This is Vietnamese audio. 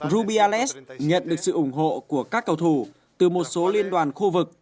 rubyales nhận được sự ủng hộ của các cầu thủ từ một số liên đoàn khu vực